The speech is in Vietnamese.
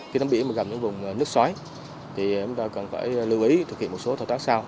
khi tắm biển mà gặp những vùng nước xoáy thì em ta cần phải lưu ý thực hiện một số thỏa tác sau